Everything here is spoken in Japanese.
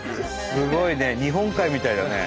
すごいね日本海みたいだね。